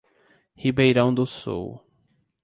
Ribeirão do Sul